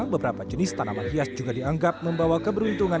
beberapa jenis tanaman hias juga dianggap membawa keberuntungan